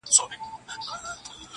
لا به تر څو دا سرې مرمۍ اورېږي!!